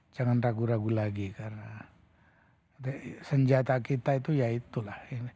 jangan ragu ragu lagi karena senjata kita itu ya itulah